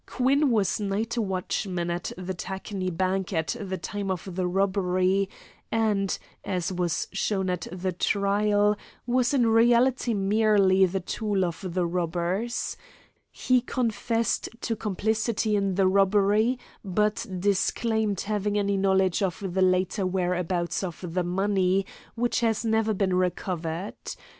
Quinn was night watchman at the Tacony bank at the time of the robbery, and, as was shown at the trial, was in reality merely the tool of the robbers. He confessed to complicity in the robbery, but disclaimed having any knowledge of the later whereabouts of the money, which has never been recovered.